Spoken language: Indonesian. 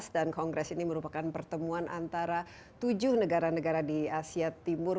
dan kongres ini merupakan pertemuan antara tujuh negara negara di asia timur